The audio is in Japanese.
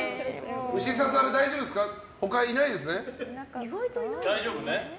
虫刺され、大丈夫ですか他いないですね。